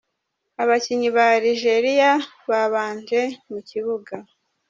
Abakinnyi ba Algeria babanje mu kibuga:.